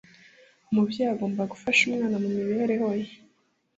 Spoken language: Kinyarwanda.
umubyeyi agomba gufasha umwana mu mibereho ye